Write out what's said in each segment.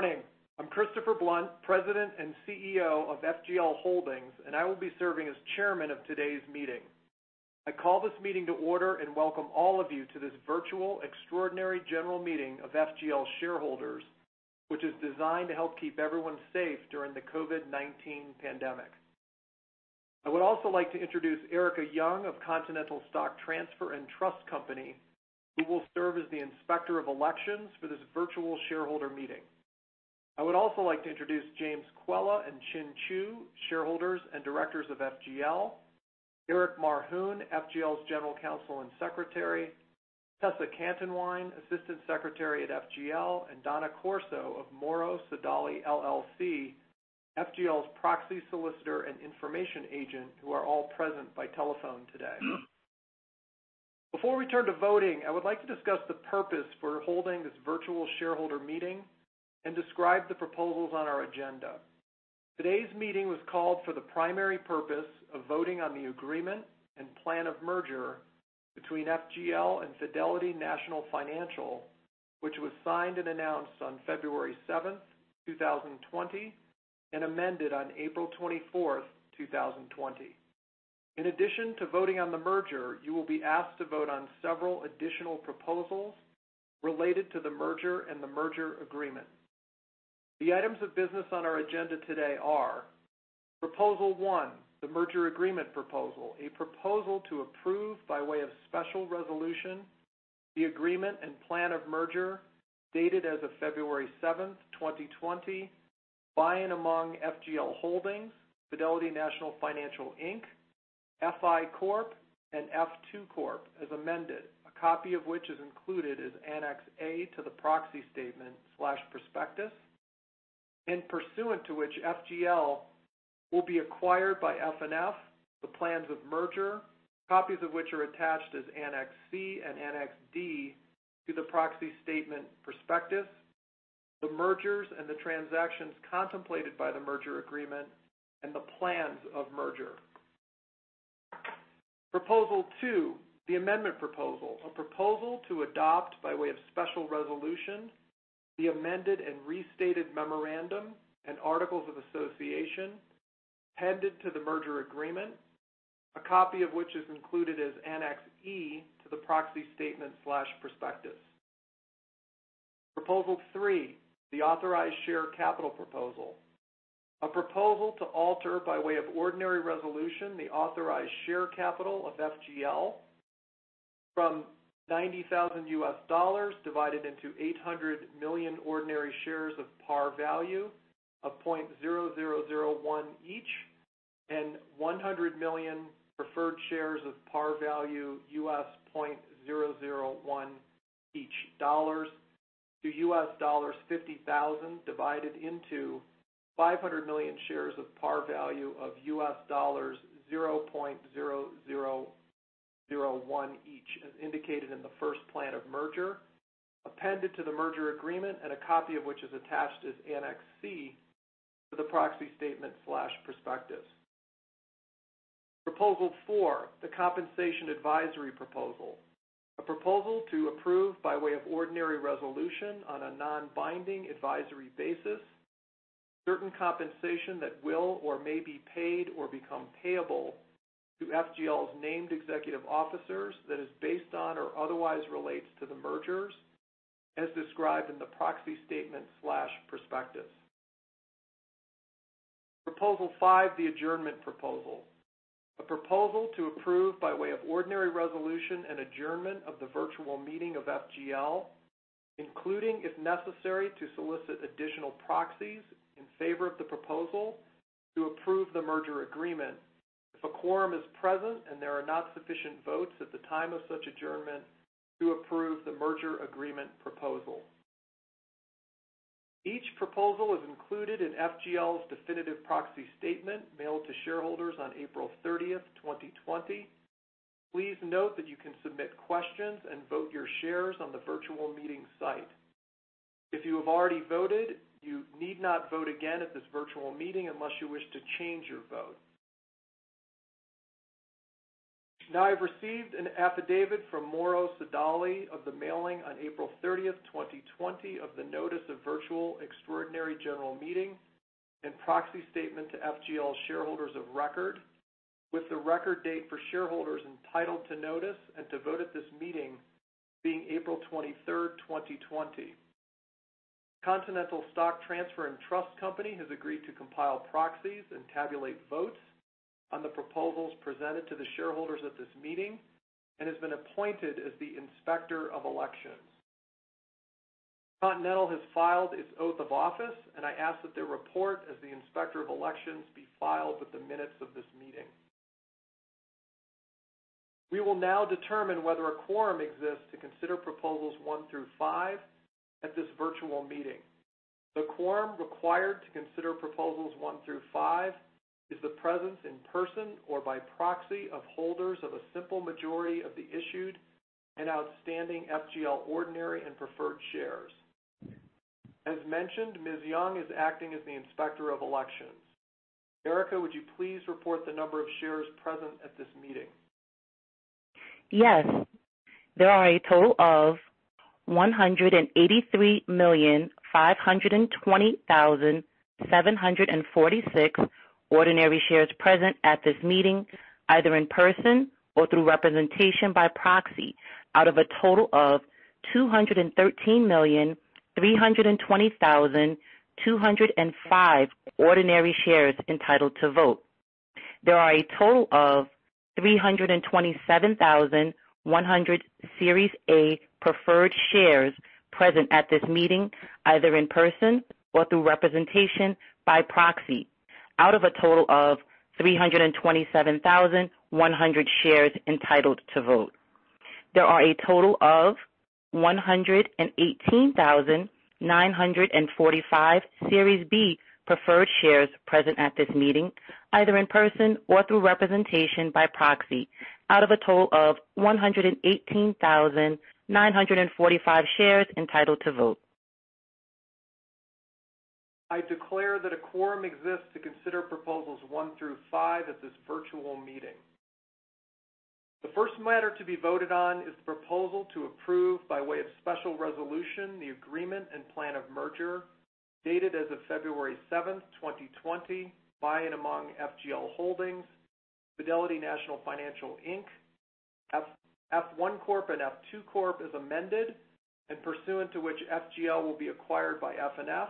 Morning. I'm Christopher Blunt, President and Chief Executive Officer of FGL Holdings, and I will be serving as Chairman of today's meeting. I call this meeting to order and welcome all of you to this virtual extraordinary general meeting of FGL shareholders, which is designed to help keep everyone safe during the COVID-19 pandemic. I would also like to introduce Erika Young of Continental Stock Transfer & Trust Company, who will serve as the Inspector of Elections for this virtual shareholder meeting. I would also like to introduce James Quella and Chinh Chu, shareholders and directors of FGL. Eric Marhoun, FGL's General Counsel and Secretary, Tessa Cantonwine, Assistant Secretary at FGL, and Donna Corso of Morrow Sodali LLC, FGL's proxy solicitor and information agent, who are all present by telephone today. Before we turn to voting, I would like to discuss the purpose for holding this virtual shareholder meeting and describe the proposals on our agenda. Today's meeting was called for the primary purpose of voting on the agreement and plan of merger between FGL and Fidelity National Financial, which was signed and announced on February 7th, 2020, and amended on April 24th, 2020. In addition to voting on the merger, you will be asked to vote on several additional proposals related to the merger and the merger agreement. The items of business on our agenda today are Proposal 1, the merger agreement proposal, a proposal to approve by way of special resolution the agreement and plan of merger dated as of February 7th, 2020, by and among FGL Holdings, Fidelity National Financial Inc., F I Corp., and F II Corp., as amended. A copy of which is included as Annex A to the proxy statement/prospectus, and pursuant to which FGL will be acquired by FNF, the plans of merger, copies of which are attached as Annex C and Annex D to the proxy statement/prospectus, the mergers and the transactions contemplated by the merger agreement, and the plans of merger. Proposal 2, the amendment proposal. A proposal to adopt by way of special resolution the amended and restated memorandum and articles of association appended to the merger agreement, a copy of which is included as Annex E to the proxy statement/prospectus. Proposal 3, the authorized share capital proposal. A proposal to alter by way of ordinary resolution the authorized share capital of FGL from $90,000 divided into 800 million ordinary shares of par value of $0.0001 each and 100 million preferred shares of par value $0.001 each to $50,000, divided into 500 million shares of par value of $0.0001 each, as indicated in the first plan of merger appended to the merger agreement and a copy of which is attached as Annex C to the proxy statement/prospectus. Proposal 4, the compensation advisory proposal. A proposal to approve by way of ordinary resolution on a non-binding advisory basis certain compensation that will or may be paid or become payable to FGL's named executive officers that is based on or otherwise relates to the mergers as described in the proxy statement/prospectus. Proposal 5, the adjournment proposal. A proposal to approve by way of ordinary resolution an adjournment of the virtual meeting of FGL, including, if necessary, to solicit additional proxies in favor of the proposal to approve the merger agreement if a quorum is present and there are not sufficient votes at the time of such adjournment to approve the merger agreement proposal. Each proposal is included in FGL's definitive proxy statement mailed to shareholders on April 30th, 2020. Please note that you can submit questions and vote your shares on the virtual meeting site. If you have already voted, you need not vote again at this virtual meeting unless you wish to change your vote. I have received an affidavit from Morrow Sodali of the mailing on April 30th, 2020, of the notice of virtual extraordinary general meeting and proxy statement to FGL shareholders of record with the record date for shareholders entitled to notice and to vote at this meeting being April 23rd, 2020. Continental Stock Transfer & Trust Company has agreed to compile proxies and tabulate votes on the proposals presented to the shareholders at this meeting and has been appointed as the Inspector of Elections. Continental has filed its oath of office, I ask that their report as the Inspector of Elections be filed with the minutes of this meeting. We will now determine whether a quorum exists to consider proposals one through five at this virtual meeting. The quorum required to consider proposals one through five is the presence in person or by proxy of holders of a simple majority of the issued and outstanding FGL ordinary and preferred shares. As mentioned, Ms. Erika Young is acting as the Inspector of Elections. Erika, would you please report the number of shares present at this meeting? Yes. There are a total of 183,520,746 ordinary shares present at this meeting, either in person or through representation by proxy, out of a total of 213,320,205 ordinary shares entitled to vote. There are a total of 327,100 Series A preferred shares present at this meeting, either in person or through representation by proxy, out of a total of 327,100 shares entitled to vote. There are a total of 118,945 Series B preferred shares present at this meeting, either in person or through representation by proxy, out of a total of 118,945 shares entitled to vote. I declare that a quorum exists to consider proposals one through five at this virtual meeting. The first matter to be voted on is the proposal to approve, by way of special resolution, the agreement and plan of merger, dated as of February 7, 2020, by and among FGL Holdings, Fidelity National Financial, Inc., F I Corp., and F II Corp. as amended, and pursuant to which FGL will be acquired by FNF,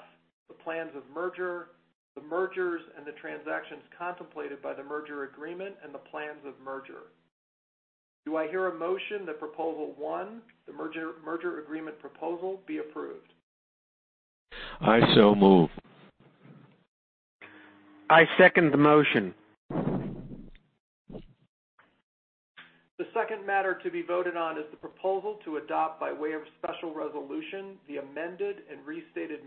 the plans of merger, the mergers, and the transactions contemplated by the merger agreement, and the plans of merger. Do I hear a motion that proposal one, the merger agreement proposal, be approved? I so move. I second the motion. The second matter to be voted on is the proposal to adopt, by way of special resolution, the amended and restated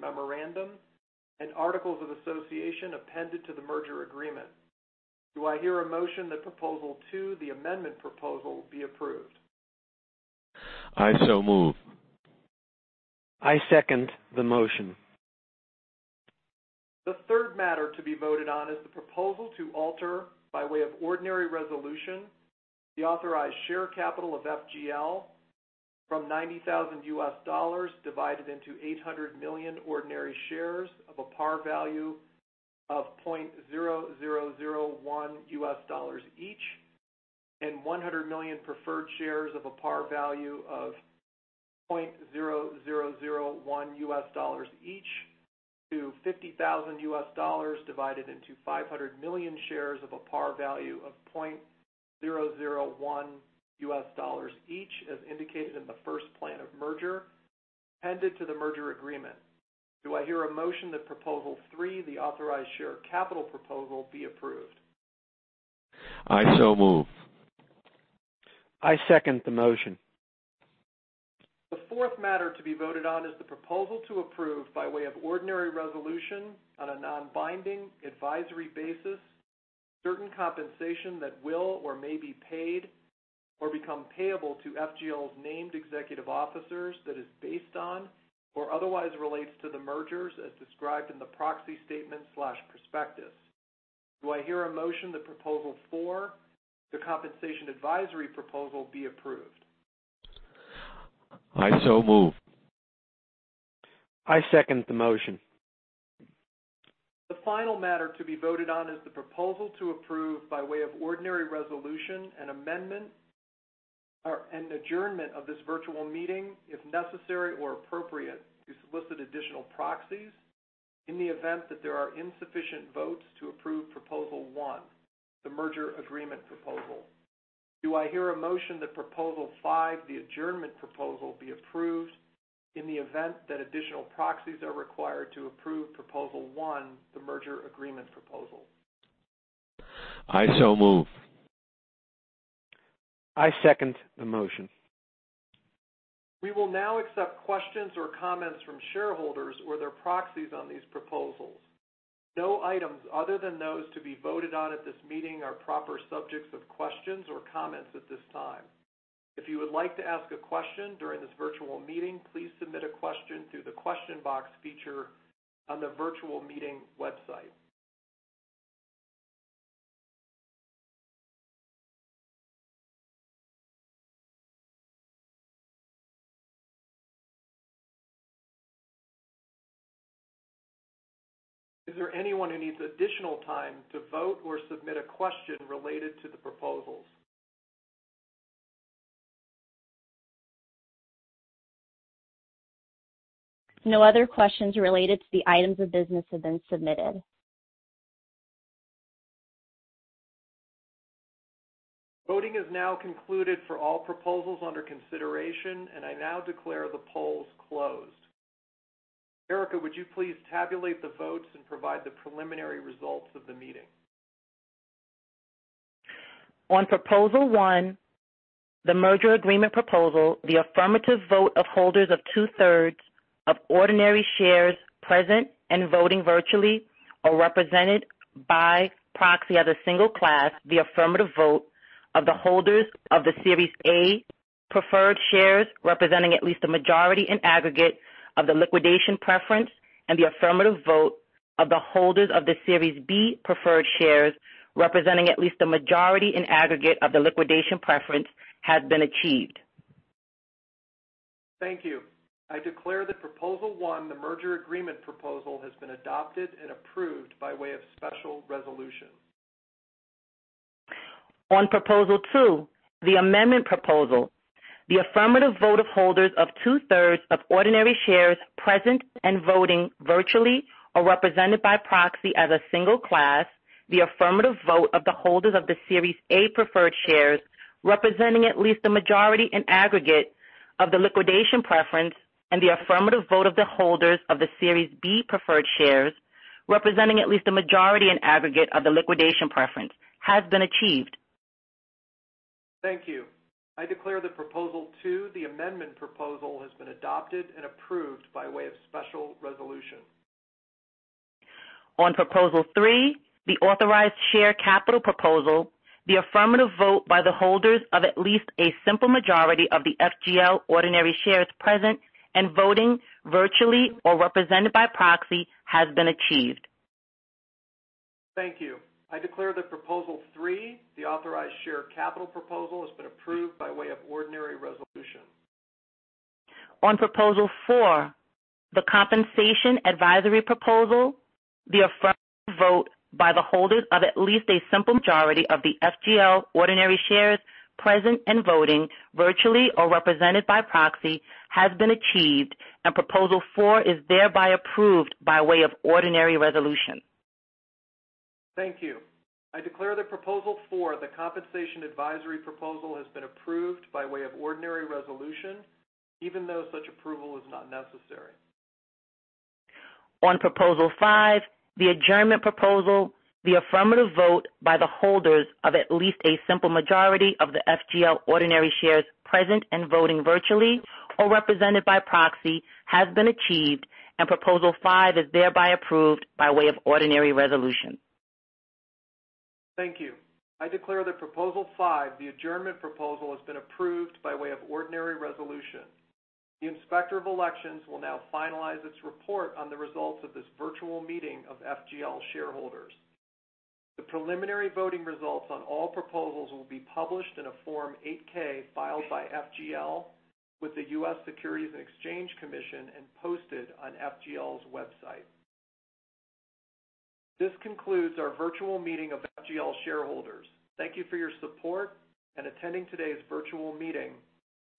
memorandum and articles of association appended to the merger agreement. Do I hear a motion that proposal two, the amendment proposal, be approved? I so move. I second the motion. The third matter to be voted on is the proposal to alter, by way of ordinary resolution, the authorized share capital of FGL from $90,000 divided into 800 million ordinary shares of a par value of $0.0001 each and 100 million preferred shares of a par value of $0.0001 each to $50,000 divided into 500 million shares of a par value of $0.001 each, as indicated in the first plan of merger appended to the merger agreement. Do I hear a motion that proposal three, the authorized share capital proposal, be approved? I so move. I second the motion. The fourth matter to be voted on is the proposal to approve, by way of ordinary resolution on a non-binding advisory basis, certain compensation that will or may be paid or become payable to FGL's named executive officers that is based on or otherwise relates to the mergers as described in the proxy statement/prospectus. Do I hear a motion that proposal four, the compensation advisory proposal, be approved? I so move. I second the motion. The final matter to be voted on is the proposal to approve, by way of ordinary resolution, an adjournment of this virtual meeting, if necessary or appropriate, to solicit additional proxies in the event that there are insufficient votes to approve proposal one, the merger agreement proposal. Do I hear a motion that proposal five, the adjournment proposal, be approved in the event that additional proxies are required to approve proposal one, the merger agreement proposal? I so move. I second the motion. We will now accept questions or comments from shareholders or their proxies on these proposals. No items other than those to be voted on at this meeting are proper subjects of questions or comments at this time. If you would like to ask a question during this virtual meeting, please submit a question through the question box feature on the virtual meeting website. Is there anyone who needs additional time to vote or submit a question related to the proposals? No other questions related to the items of business have been submitted. Voting is now concluded for all proposals under consideration, and I now declare the polls closed. Erika, would you please tabulate the votes and provide the preliminary results of the meeting? On Proposal One, the merger agreement proposal, the affirmative vote of holders of two-thirds of ordinary shares present and voting virtually or represented by proxy as a single class, the affirmative vote of the holders of the Series A preferred shares representing at least a majority in aggregate of the liquidation preference, and the affirmative vote of the holders of the Series B preferred shares, representing at least a majority in aggregate of the liquidation preference, has been achieved. Thank you. I declare that Proposal One, the merger agreement proposal, has been adopted and approved by way of special resolution. On Proposal Two, the amendment proposal, the affirmative vote of holders of two-thirds of ordinary shares present and voting virtually or represented by proxy as a single class, the affirmative vote of the holders of the Series A preferred shares, representing at least a majority in aggregate of the liquidation preference, and the affirmative vote of the holders of the Series B preferred shares, representing at least a majority in aggregate of the liquidation preference, has been achieved. Thank you. I declare that Proposal Two, the amendment proposal, has been adopted and approved by way of special resolution. On Proposal Three, the authorized share capital proposal, the affirmative vote by the holders of at least a simple majority of the FGL ordinary shares present and voting virtually or represented by proxy has been achieved. Thank you. I declare that Proposal Three, the authorized share capital proposal, has been approved by way of ordinary resolution. On Proposal Four, the compensation advisory proposal, the affirmative vote by the holders of at least a simple majority of the FGL ordinary shares present and voting virtually or represented by proxy has been achieved, and Proposal Four is thereby approved by way of ordinary resolution. Thank you. I declare that Proposal Four, the compensation advisory proposal, has been approved by way of ordinary resolution, even though such approval is not necessary. On Proposal Five, the adjournment proposal, the affirmative vote by the holders of at least a simple majority of the FGL ordinary shares present and voting virtually or represented by proxy has been achieved. Proposal Five is thereby approved by way of ordinary resolution. Thank you. I declare that Proposal Five, the adjournment proposal, has been approved by way of ordinary resolution. The Inspector of Elections will now finalize its report on the results of this virtual meeting of FGL shareholders. The preliminary voting results on all proposals will be published in a Form 8-K filed by FGL with the U.S. Securities and Exchange Commission and posted on FGL's website. This concludes our virtual meeting of FGL shareholders. Thank you for your support and attending today's virtual meeting.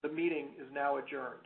The meeting is now adjourned.